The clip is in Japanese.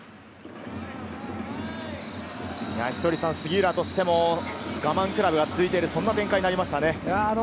杉浦としても我慢比べが続いている、そんな展開になりましたね。